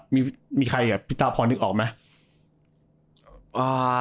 มีใครอ่ะพี่ตาพรนึกออกไหม